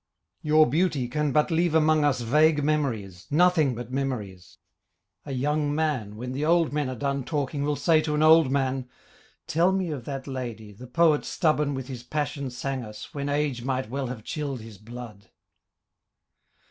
Your beauty can but leave among us Vague memories, nothing but memories. A young man when the old men are done talking Will say to an old man, 'Tell me of that lady The poet stubborn with his passion sang us When age might well have chilled his blood.'